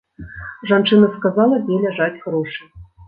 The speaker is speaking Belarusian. Жанчына сказала, дзе ляжаць грошы.